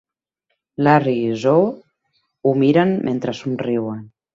Larry i Zoe ho miren mentre somriuen.